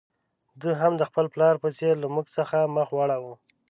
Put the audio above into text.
ده هم د خپل پلار په څېر له موږ څخه مخ واړاوه.